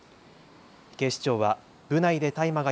警視庁は部内で大麻が